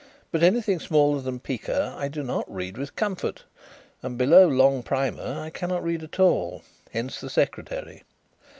But anything smaller than pica I do not read with comfort, and below long primer I cannot read at all. Hence the secretary.